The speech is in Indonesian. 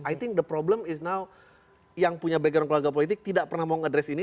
i think the problem is now yang punya background keluarga politik tidak pernah mau ngedres ini